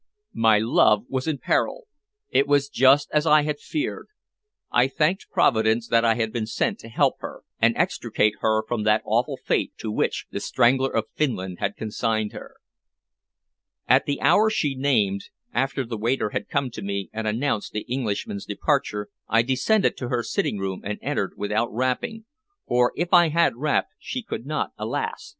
My love was in peril! It was just as I had feared. I thanked Providence that I had been sent to help her and extricate her from that awful fate to which "The Strangler of Finland" had consigned her. At the hour she named, after the waiter had come to me and announced the Englishman's departure, I descended to her sitting room and entered without rapping, for if I had rapped she could not, alas!